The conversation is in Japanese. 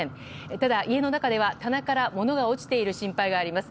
ただ家の中では棚から物が落ちている心配があります。